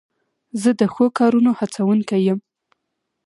زه د ښو کارونو هڅوونکی یم.